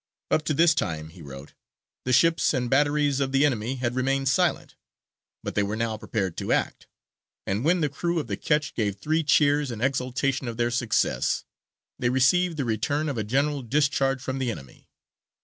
"Up to this time," he wrote, "the ships and batteries of the enemy had remained silent, but they were now prepared to act; and when the crew of the ketch gave three cheers in exultation of their success, they received the return of a general discharge from the enemy.